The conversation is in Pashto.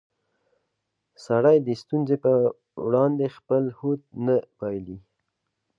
سړی د ستونزو په وړاندې خپل هوډ نه بایلي